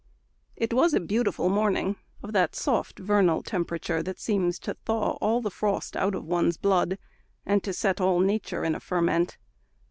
It was a beautiful morning, of that soft vernal temperature, that seems to thaw all the frost out of one's blood, and to set all nature in a ferment.